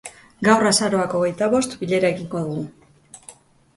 Gaur, azaroak hogeita bost, bilera egingo dugu.